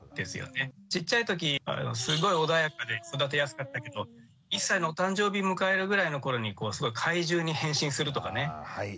ちっちゃい時すごい穏やかで育てやすかったけど１歳のお誕生日迎えるぐらいの頃にすごい怪獣に変身するとかね。